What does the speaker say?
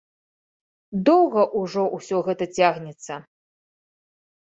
Доўга ўжо ўсё гэта цягнецца.